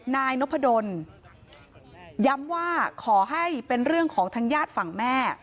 นายนพดลย้ำว่าขอให้เป็นเรื่องของทางญาติฝั่งแม่